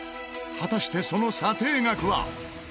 果たしてその査定額は？